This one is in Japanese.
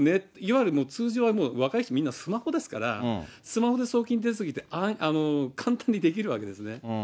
夜、今、通常はもう若い人はみんなスマホですから、スマホで送金手続きって、簡単にできるわけですね。